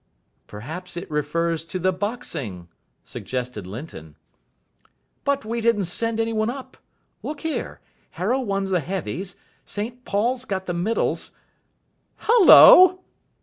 "Perhaps it refers to the boxing," suggested Linton. "But we didn't send any one up. Look here. Harrow won the Heavies. St Paul's got the Middles. _Hullo!